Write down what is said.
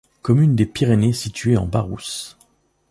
Commune des Pyrénées située en Barousse.